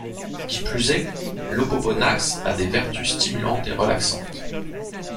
Qui plus est, l'opoponax a des vertus stimulantes et relaxantes.